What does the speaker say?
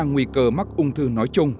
nguy cơ mắc ông thư nói chung